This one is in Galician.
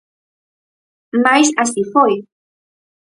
Mais así foi.